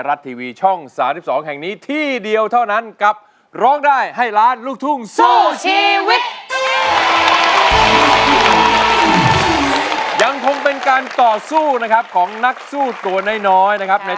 ร้องได้ให้ร้านลูกทุ่งสู้ชีวิต